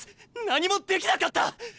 何もできなかった！